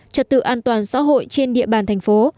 trật tự an toàn xã hội trên địa bàn thành phố